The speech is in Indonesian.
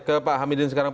ke pak hamidin sekarang